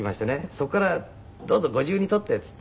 そこからどうぞご自由に取ってっつって。